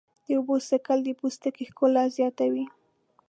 د اوبو څښل د پوستکي ښکلا زیاتوي.